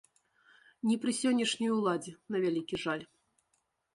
Не пры сённяшняй уладзе, на вялікі жаль.